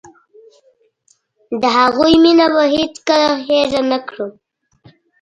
د هغوی مينه به هېڅ کله هېره نکړم.